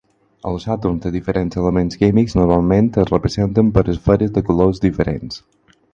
Els àtoms de diferents elements químics normalment es representen per esferes de colors diferents.